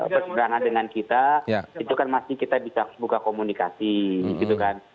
berseberangan dengan kita itu kan masih kita bisa buka komunikasi gitu kan